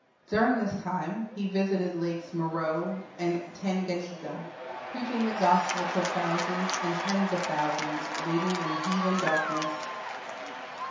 During this time he visited lakes Meroe and Tanganyika, preaching the gospel to thousands and tens of thousands waiting in heathen darkness.